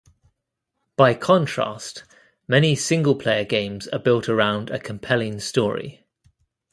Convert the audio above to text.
By contrast, many single-player games are built around a compelling story.